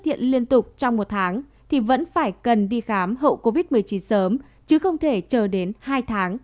hiện liên tục trong một tháng thì vẫn phải cần đi khám hậu covid một mươi chín sớm chứ không thể chờ đến hai tháng